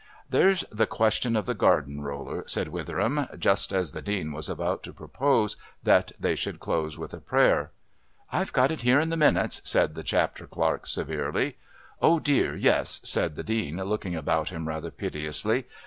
"There's the question of the garden roller," said Witheram, just as the Dean was about to propose that they should close with a prayer. "I've got it here on the minutes," said the Chapter Clerk severely. "Oh, dear, yes," said the Dean, looking about him rather piteously.